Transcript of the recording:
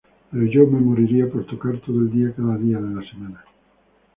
Pero yo me moría por tocar todo el día, cada día de la semana".